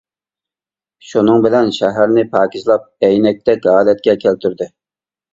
شۇنىڭ بىلەن شەھەرنى پاكىزلاپ ئەينەكتەك ھالەتكە كەلتۈردى.